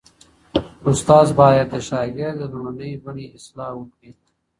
استاد باید د شاګرد د لومړنۍ بڼې اصلاح وکړي.